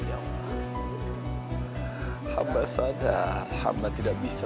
gak ada kabar yang lama